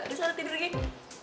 lo salah tidur ging